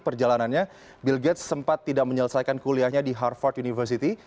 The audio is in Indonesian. perjalanannya bill gates sempat tidak menyelesaikan kuliahnya di harvard university